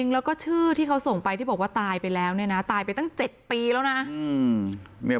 แล้วก็ชื่อที่เขาส่งไปที่บอกว่าตายไปแล้วเนี่ยนะตายไปตั้ง๗ปีแล้วนะ